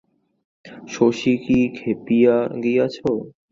শশী কি খেপিয়া গিয়াছে?